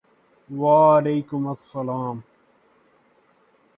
وعلیکم السلام ！